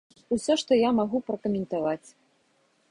Усё, што я магу пракаментаваць.